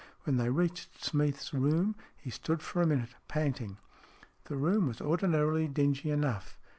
When they reached Smeath's room he stood for a minute, panting. The room was ordinarily dingy enough.